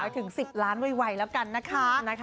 ถึง๑๐ล้านไวแล้วกันนะคะ